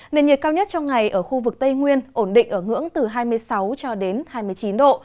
nền nhiệt cao nhất trong ngày ở khu vực tây nguyên ổn định ở ngưỡng từ hai mươi sáu cho đến hai mươi chín độ